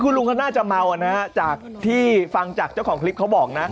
คุณลุงเขาน่าจะเมานะจากที่ฟังจากเจ้าของคลิปเขาบอกนะ